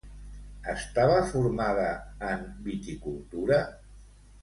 Estava formada en viticultura?